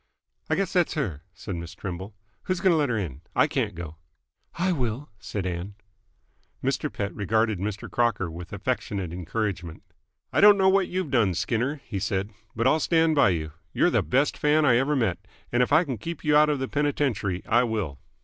"I guess that's her," said Miss Trimble. "Who's going to let 'r in? I can't go." "I will," said Ann. Mr. Pett regarded Mr. Crocker with affectionate encouragement. "I don't know what you've done, Skinner," he said, "but I'll stand by you. You're the best fan I ever met, and if I can keep you out of the penitentiary, I will."